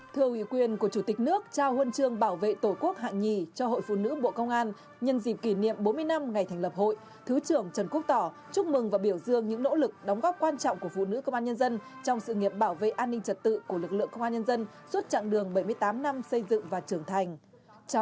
thưa ủy quyền của chủ tịch nước trao huân chương bảo vệ tổ quốc hạng nhì cho hội phụ nữ bộ công an nhân dịp kỷ niệm bốn mươi năm ngày thành lập hội thứ trưởng trần quốc tỏ chúc mừng và biểu dương những nỗ lực đóng góp quan trọng của phụ nữ công an nhân dân trong sự nghiệp bảo vệ an ninh trật tự của lực lượng công an nhân dân suốt chặng đường bảy mươi tám năm xây dựng và trưởng thành